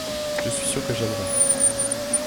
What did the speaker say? Je suis sûr que j’aimerai.